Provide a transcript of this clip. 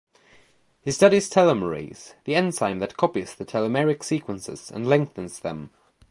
He studies telomerase, the enzyme that copies the telomeric sequences and lengthens them.